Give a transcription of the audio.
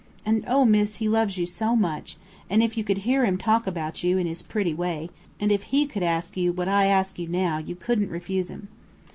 And O, miss, he loves you so much; and if you could hear him talk about you, in his pretty way, and if he could ask you what I ask you now, you couldn't refuse him.